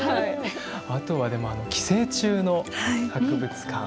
あとはでもあの寄生虫の博物館。